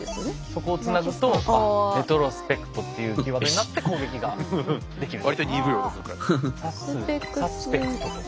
そこをつなぐと「ｒｅｔｒｏｓｐｅｃｔ」っていうキーワードになって攻撃ができると。